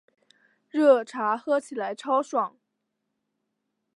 热茶喝起来超爽